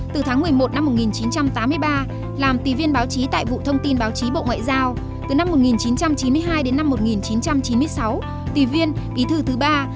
từ tháng một mươi một năm một nghìn chín trăm sáu mươi vũ văn dũng đã trở thành đại sứ việt nam